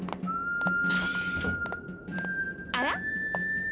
あら？